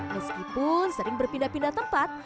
meskipun sering berpindah pindah tempat